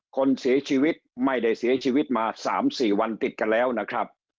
คนเสียชีวิตไม่ได้เสียชีวิตมา๓๔วันติดกันแล้วนะครับ